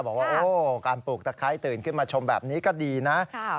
บอกว่าโอ้การปลูกตะไคร้ตื่นขึ้นมาชมแบบนี้ก็ดีนะ